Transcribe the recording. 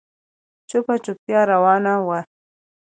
چوپه چوپتيا روانه وه.